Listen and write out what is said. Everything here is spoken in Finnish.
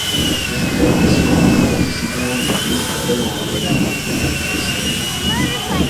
Ehkä edes jokunen olisi jäänyt heistä eloon lintujen hyökkäykseltä.